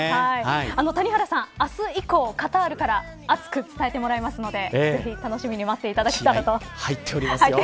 谷原さん明日以降、カタールから熱く伝えてもらいますのでぜひ楽しみに待っていただきたいと。